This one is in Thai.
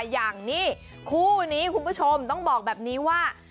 อย่างนี้คู่นี้คุณผู้ชมต้องบอกแบบนี้ว่า